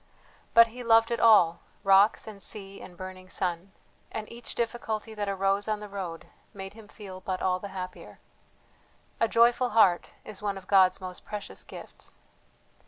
But he loved it all, rocks and sea and burning sun; and each difficulty that arose on the road made him feel but all the happier. A joyful heart is one of God's most precious gifts.